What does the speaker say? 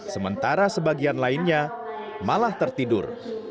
sementara sebagian lainnya malah tertidur